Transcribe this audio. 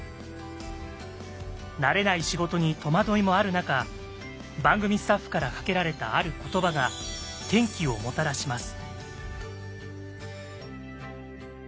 慣れない仕事に戸惑いもある中番組スタッフからかけられたある言葉が転機をもたらします。